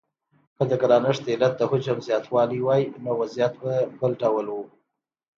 که د ګرانښت علت د حجم زیاتوالی وای نو وضعیت به بل ډول و.